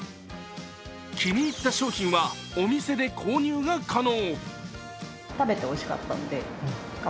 気に入った商品はお店で購入が可能。